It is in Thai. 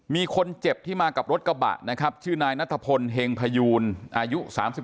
มีคนเจ็บที่มากับรถกระบะนะครับชื่อนายนัทพลเฮงพยูนอายุ๓๒